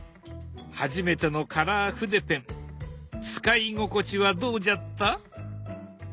初めてのカラー筆ペン使い心地はどうじゃった？